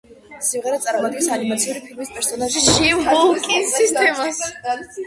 სიმღერა წარმოადგენს ანიმაციური ფილმის პერსონაჟის, ჯიმ ჰოუკინსის თემას.